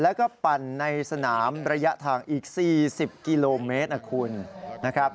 แล้วก็ปั่นในสนามระยะทางอีก๔๐กิโลเมตรนะคุณนะครับ